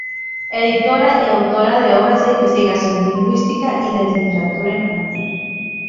Editora y autora de obras de Investigación Lingüística y de Literatura Infantil.